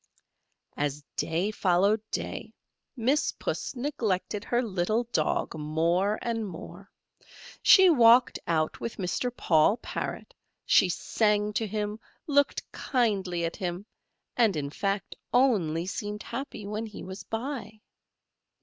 As day followed day, Miss Puss neglected her little Dog more and more. She walked out with Mr. Paul Parrot, she sang to him, looked kindly at him, and, in fact, only seemed happy when he was by.